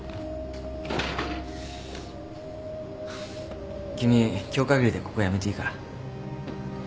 君今日かぎりでここ辞めていいから。